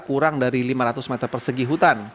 kurang dari lima ratus meter persegi hutan